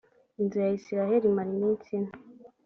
inzu ya isirayeli imara iminsi ine